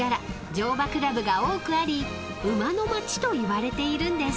［乗馬クラブが多くあり馬のまちといわれているんです］